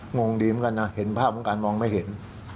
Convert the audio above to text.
งงดีเหมือนกันนะเห็นภาพของการมองไม่เห็น